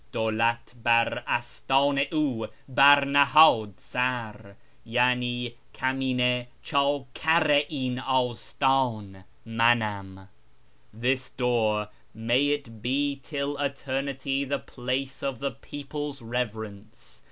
' Dawlat bar astdne i fi bar nihdd sar Yant, ' Kamine chdkar i in dstdn man am /'"" This door (may it be till eternity the place of the people's reverence